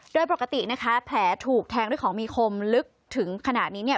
โดยปกตินะคะแผลถูกแทงด้วยของมีคมลึกถึงขนาดนี้เนี่ย